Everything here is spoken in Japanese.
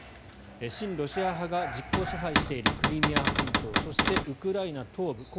親ロシア派が実効支配しているクリミア半島そして、ウクライナ東部